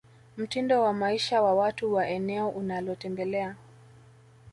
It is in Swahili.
mtindo wa maisha wa watu wa eneo unalotembelea